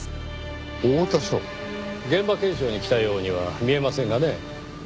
現場検証に来たようには見えませんがね。